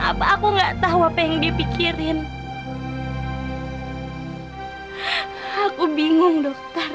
apa aku nggak tahu apa yang dia pikirin aku bingung dokter